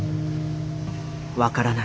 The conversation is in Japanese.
分からない。